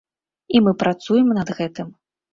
І мы працуем над гэтым.